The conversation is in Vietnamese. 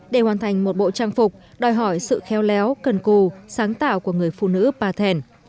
để hoàn thành một bộ trang phục đòi hỏi sự khéo léo cần cù sáng tạo của người phụ nữ pa thèn